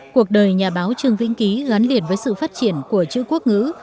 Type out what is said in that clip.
cuộc đời nhà báo trương vĩnh ký gắn liền với sự phát triển của chữ quốc ngữ